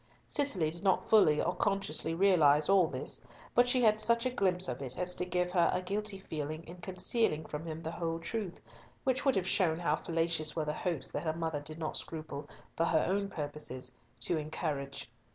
Cicely did not fully or consciously realise all this, but she had such a glimpse of it as to give her a guilty feeling in concealing from him the whole truth, which would have shown how fallacious were the hopes that her mother did not scruple, for her own purposes, to encourage.